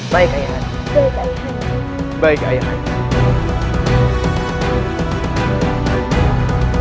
sebelum dia kembali melakukan kekacauan